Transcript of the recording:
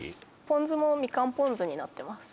ポン酢もみかんポン酢になってます